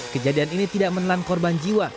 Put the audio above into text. kejadian ini tidak menelan korban jiwa